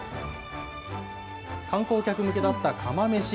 観光客向けだった釜めし。